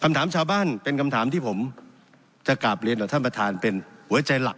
คำถามชาวบ้านเป็นคำถามที่ผมจะกราบเรียนต่อท่านประธานเป็นหัวใจหลัก